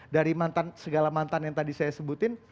dari segala mantan yang tadi saya sebutin